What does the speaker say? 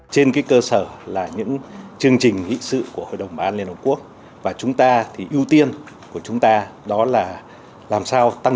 trên cơ sở là những chương trình hị sự của hội đồng bảo an liên hợp quốc